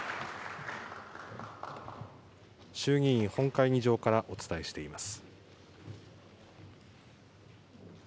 衆議院本会議場からお伝えしています。